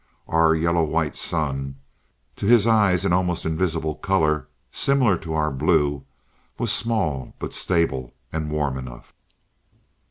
Our yellow white sun (to his eyes, an almost invisible color, similar to our blue) was small, but stable, and warm enough.